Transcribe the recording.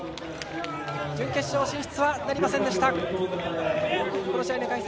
準決勝進出はなりませんでした。